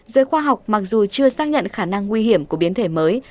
giới khoa học mặc dù chưa xác nhận khả năng nguy hiểm của biến thể mới